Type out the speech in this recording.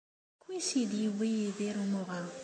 Seg wansi ay d-yewwi Yidir umuɣ-a?